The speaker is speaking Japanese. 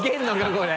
これ。